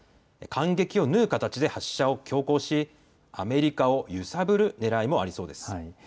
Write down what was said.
間隙を縫う形で発射を強行しアメリカを揺さぶるねらいもありそうです。